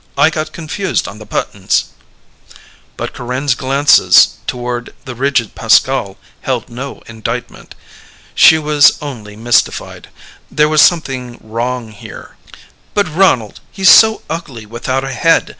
I got confused on the buttons." But Corinne's glances toward the rigid Pascal held no indictment. She was only mystified. There was something wrong here. "But Ronald, he's so ugly without a head.